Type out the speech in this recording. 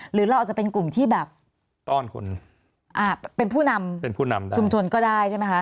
หรือเราอาจจะเป็นกลุ่มที่แบบต้อนคนอ่าเป็นผู้นำเป็นผู้นำชุมชนก็ได้ใช่ไหมคะ